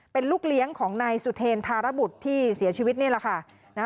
เป็นลูกเลี้ยงของนายสุเทรนธารบุตรที่เสียชีวิตนี่แหละค่ะ